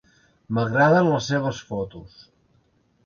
M'agraden les seves fotos.